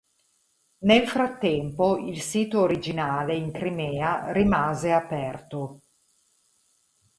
Nel frattempo, il sito originale in Crimea rimase aperto.